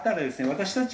私たち